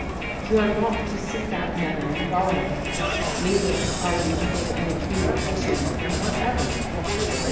"" You are not to see that man Barnes. Neither are you to hold any communication with him whatever."